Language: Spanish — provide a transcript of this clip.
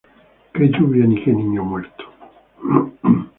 ¡Qué lluvia ni qué niño muerto!